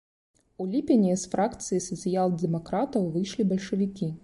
У ліпені з фракцыі сацыял-дэмакратаў выйшлі бальшавікі.